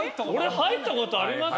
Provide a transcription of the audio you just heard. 入ったことあります